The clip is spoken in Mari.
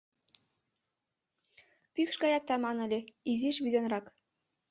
Пӱкш гаяк таман ыле, изиш вӱданрак.